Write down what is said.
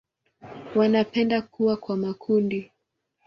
Wanapenda kuwa kwa makundi.